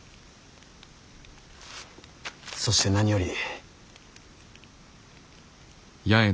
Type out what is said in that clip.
そして何より。